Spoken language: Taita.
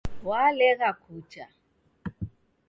Walegha kucha